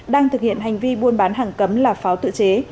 đang thực hiện hành vi buôn bán hàng cấm là pháo tự chế